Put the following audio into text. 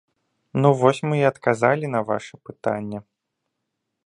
Ну вось мы і адказалі на ваша пытанне!